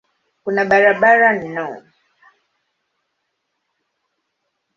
Kuna barabara no.